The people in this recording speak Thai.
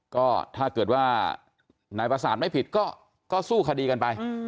ก็ถ้าเกิดว่านายประสานไม่ผิดก็สู้คดีกันไป